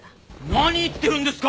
何言ってるんですか！